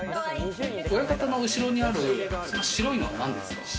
親方の後ろにある白いのは何ですか？